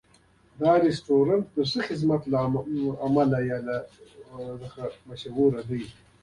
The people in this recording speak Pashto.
دا رستورانت د ښه خدمت له امله مشهور دی.